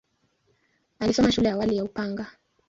Alisoma shule ya awali ya Upanga.